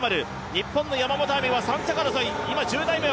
日本の山本亜美は３着争い。